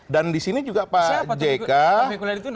dan disini juga pak jekai